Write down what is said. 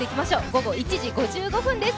午後１時５５分です。